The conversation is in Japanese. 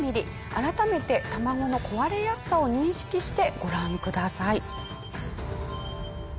改めて卵の壊れやすさを認識してご覧ください。